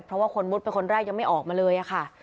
เพราะว่าคนมุดเป็นคนแรกยังไม่ออกมาเลยค่ะ